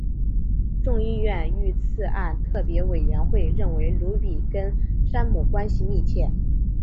众议院遇刺案特别委员会认为鲁比跟山姆关系密切。